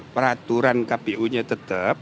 peraturan kpu nya tetap